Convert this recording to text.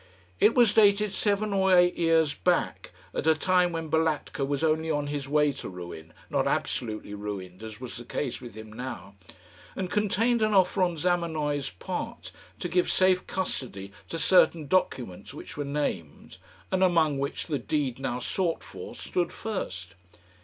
It was dated seven or eight years back, at a time when Balatka was only on his way to ruin not absolutely ruined, as was the case with him now and contained an offer on Zamenoy's part to give safe custody to certain documents which were named, and among which the deed now sought for stood first.